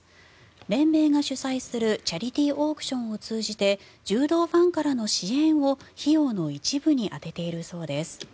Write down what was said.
連盟が主催するチャリティーオークションを通じて柔道ファンからの支援を費用の一部に充ててるそうです。